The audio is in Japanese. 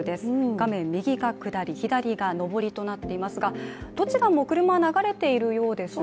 画面右が下り、左が上りとなっていますが、どちらも車、流れているようですね。